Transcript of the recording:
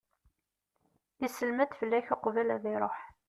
Isellem-d fell-ak uqbel ad iruḥ.